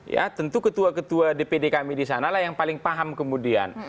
ya tentu ketua ketua dpd kami di sanalah yang paling paham kemudian